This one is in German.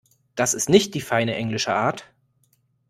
Das ist nicht die feine englische Art.